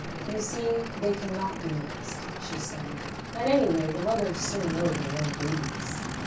"You see they cannot be mixed," she said. "And, anyway, the mothers soon know their own babies."